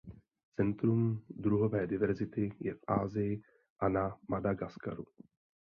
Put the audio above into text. Centrum druhové diverzity je v Asii a na Madagaskaru.